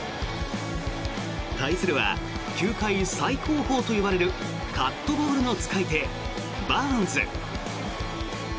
対するは球界最高峰といわれるカットボールの使い手バーンズ。